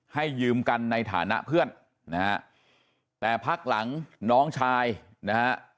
ให้ยืมกันในฐานะเพื่อนนะฮะแต่พักหลังน้องชายนะฮะ